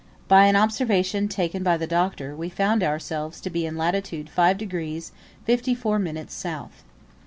By an observation taken by the Doctor, we found ourselves to be in latitude 5 degrees 54 minutes south.